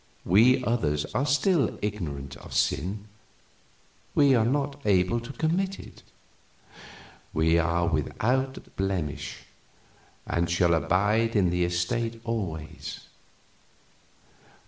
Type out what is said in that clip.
We others are still ignorant of sin; we are not able to commit it; we are without blemish, and shall abide in that estate always.